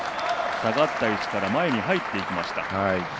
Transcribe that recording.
下がった位置から前に入っていきました。